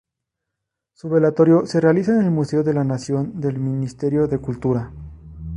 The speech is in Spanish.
Su velatorio se realizó en el Museo de la Nación del Ministerio de Cultura.